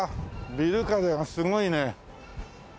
ビル風がすごいね。